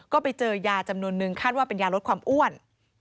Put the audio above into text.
ก็ไปเจอยาจำนวนนึงคาดว่าเป็นยาลดความอ้วน